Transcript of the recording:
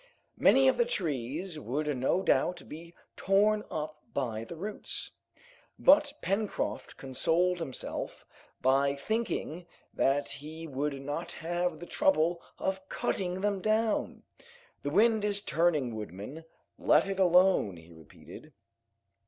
Many of the trees would no doubt be torn up by the roots, but Pencroft consoled himself by thinking that he would not have the trouble of cutting them down. "The wind is turning woodman, let it alone," he repeated.